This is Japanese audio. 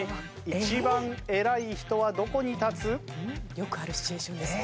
よくあるシチュエーションですね。